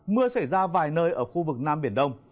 mưa xảy ra vài nơi ở khu vực nam biển đông